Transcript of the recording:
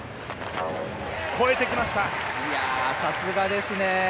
さすがですね。